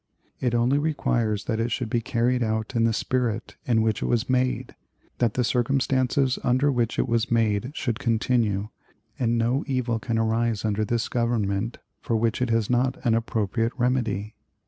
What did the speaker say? It only requires that it should be carried out in the spirit in which it was made, that the circumstances under which it was made should continue, and no evil can arise under this Government for which it has not an appropriate remedy.